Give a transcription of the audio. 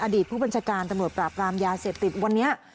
ผู้บัญชาการตำรวจปราบรามยาเสพติดวันนี้